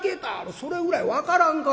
それぐらい分からんか？」。